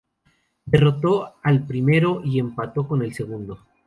Derrotó al primero y empató con el segundo.